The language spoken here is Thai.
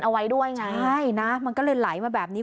ใช่นะมันก็เลยไหลมาแบบนี้